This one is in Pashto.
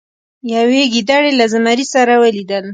یوې ګیدړې له زمري سره ولیدل.